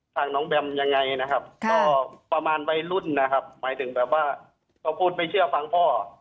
ทางน้องแบมยังไงนะครับก็ประมาณวัยรุ่นนะครับหมายถึงแบบว่าเขาพูดไม่เชื่อฟังพ่อ